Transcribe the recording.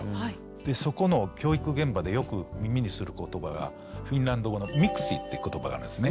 そこの教育現場でよく耳にする言葉がフィンランド語の「Ｍｉｋｓｉ」って言葉があるんですね。